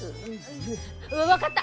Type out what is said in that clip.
分かった！